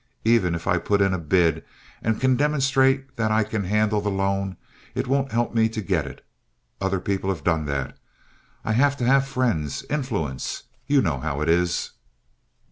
Even if I put in a bid, and can demonstrate that I can handle the loan, it won't help me to get it. Other people have done that. I have to have friends—influence. You know how it is."